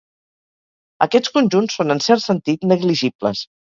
Aquests conjunts són, en cert sentit, "negligibles".